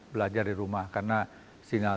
belajar di rumah karena sinyal